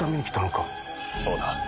そうだ。